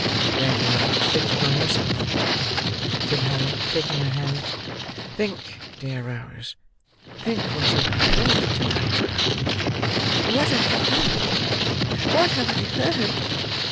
"Then why inflict it on yourself?" said Harry, taking her hand. "Think, dear Rose, think what you have heard to night." "And what have I heard! What have I heard!"